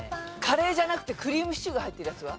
カレーじゃなくてクリームシチューが入ってるやつは？